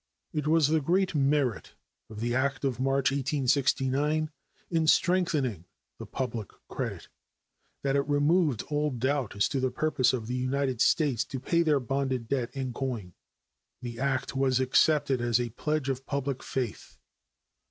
It was the great merit of the act of March, 1869, in strengthening the public credit, that it removed all doubt as to the purpose of the United States to pay their bonded debt in coin. That act was accepted as a pledge of public faith.